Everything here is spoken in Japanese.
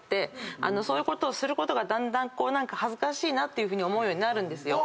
そういうことをすることがだんだん恥ずかしいなって思うようになるんですよ。